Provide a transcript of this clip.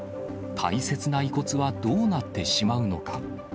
大切な遺骨はどうなってしまうのか。